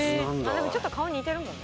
ちょっと顔似てるもんね。